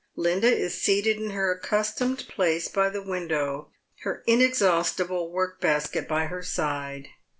Linda is seated in her accustomed place by the window, her inexhaus tible work basket by her side.